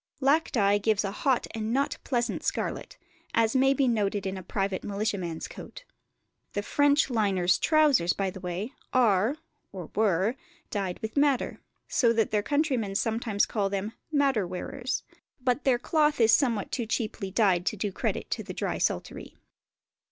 Lac dye gives a hot and not pleasant scarlet, as may be noted in a private militiaman's coat. The French liners' trousers, by the way, are, or were, dyed with madder, so that their countrymen sometimes call them the "Madder wearers"; but their cloth is somewhat too cheaply dyed to do credit to the drysaltery.